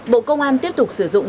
bộ công an tiếp tục sử dụng